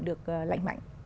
được lạnh mạnh